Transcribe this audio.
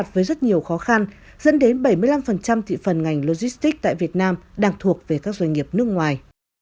đối mặt với rất nhiều khó khăn dẫn đến bảy mươi năm thị phần ngành logistic tại việt nam đang thuộc về các doanh nghiệp nước ngoài